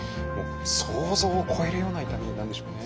想像を超えるような痛みなんでしょうね。